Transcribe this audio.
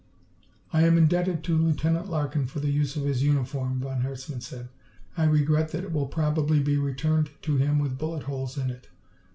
"I am indebted to Lieutenant Larkin for the use of his uniform," von Herzmann said. "I regret that it will probably be returned to him with bullet holes in it.